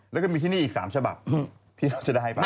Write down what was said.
แล้วก็มีที่นี่อีก๓ฉบับที่เราจะได้ไป